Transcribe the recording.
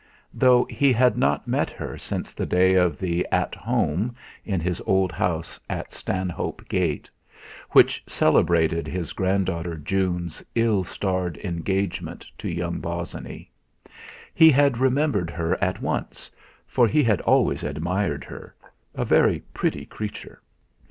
Though he had not met her since the day of the 'At Home' in his old house at Stanhope Gate, which celebrated his granddaughter June's ill starred engagement to young Bosinney, he had remembered her at once, for he had always admired her a very pretty creature.